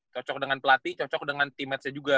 cocok dengan pelatih cocok dengan teammates nya juga